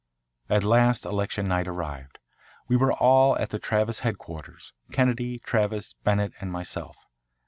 At last election night arrived. We were all at the Travis headquarters, Kennedy, Travis, Bennett, and myself.